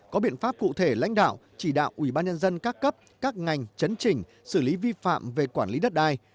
có biện pháp cụ thể lãnh đạo chỉ đạo ủy ban nhân dân các cấp các ngành chấn trình xử lý vi phạm về quản lý đất đai